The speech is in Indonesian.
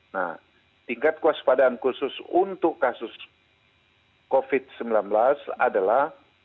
nah tingkat kewaspadaan khusus untuk kasus covid sembilan belas adalah